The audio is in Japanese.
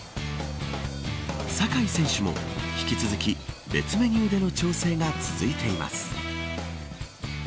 酒井選手も引き続き別メニューでの調整が続いています。